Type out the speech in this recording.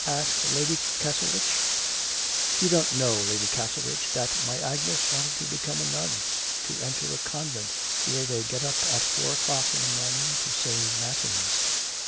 asked Lady Castlerich. 'You don't know, Lady Castlerich, that my Agnes wanted to become a nun, to enter a convent where they get up at four o'clock in the morning to say matins.'